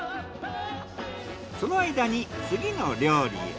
その間に次の料理へ。